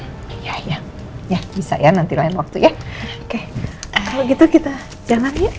ya ya bisa ya nanti lain waktu ya oke kalau gitu kita jangan yuk